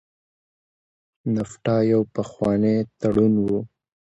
نفټا یو پخوانی تړون و.